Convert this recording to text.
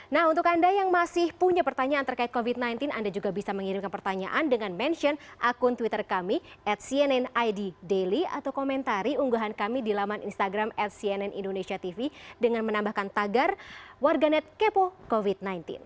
nah untuk anda yang masih punya pertanyaan terkait covid sembilan belas anda juga bisa mengirimkan pertanyaan dengan mention akun twitter kami at cnn id daily atau komentari unggahan kami di laman instagram at cnn indonesia tv dengan menambahkan tagar warganet kepo covid sembilan belas